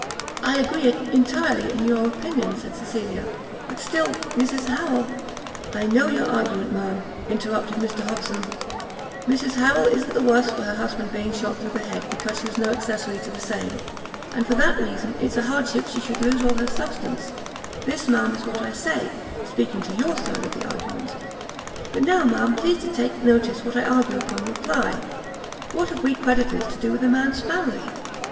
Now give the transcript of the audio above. "I agree entirely in your opinion," said Cecilia, "but still Mrs Harrel" "I know your argument, ma'am," interrupted Mr Hobson; "Mrs Harrel i'n't the worse for her husband's being shot through the head, because she was no accessory to the same, and for that reason, it's a hardship she should lose all her substance; this, ma'am, is what I say, speaking to your side of the argument. But now, ma'am, please to take notice what I argue upon the reply; what have we creditors to do with a man's family?